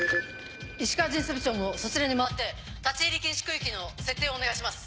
石川巡査部長もそちらに回って立ち入り禁止区域の設定をお願いします。